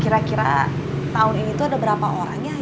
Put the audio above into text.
kira kira tahun ini tuh ada berapa orangnya yang cuti